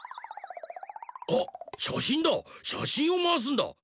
あっしゃしんだしゃしんをまわすんだ。